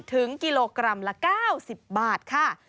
ถึงกิโลกรัมละ๙๐บาทค่ะ